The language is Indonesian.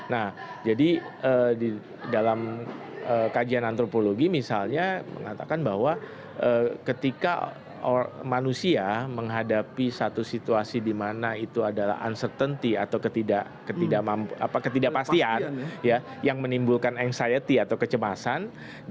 nah jadi dalam kajian antropologi misalnya mengatakan bahwa ketika manusia menghadapi satu situasi di mana itu adalah uncertainty atau ketidakpastian yang menimbulkan anxiety atau kecemasan